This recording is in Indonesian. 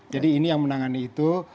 jadi ini yang menangani itu